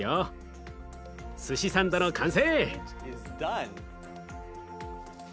すしサンドの完成！